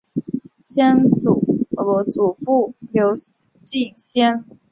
祖父刘敬先。